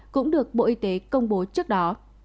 cũng được bộ y tế công bố trước đó